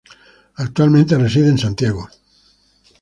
Actualmente reside en Santiago.